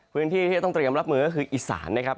พื้นที่ที่จะต้องเตรียมรับมือก็คืออีสานนะครับ